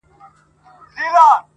ما ته دي نه ګوري قلم قلم یې کړمه،